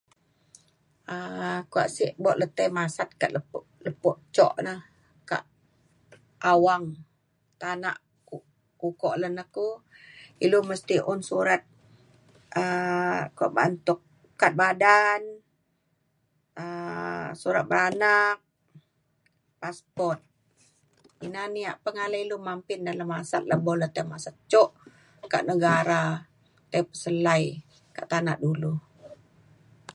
um kua se buak le tei masat ka lepo lepo cuk na ka awang tanak ku- ukok lan ne ku ilu mesti un surat um kuak ba'an tuk kad badan um surat beranak passport. ina na ia' pengalai ilu mampin dalem masat lebo tai masat cuk ka negara tai peselai ka tanak dulu